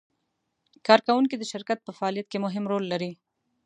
کارکوونکي د شرکت په فعالیت کې مهم رول لري.